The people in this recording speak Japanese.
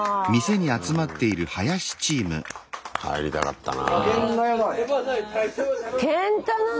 入りたかったな。